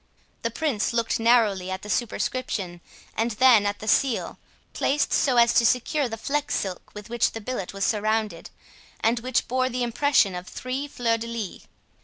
The Prince looked narrowly at the superscription, and then at the seal, placed so as to secure the flex silk with which the billet was surrounded, and which bore the impression of three fleurs de lis.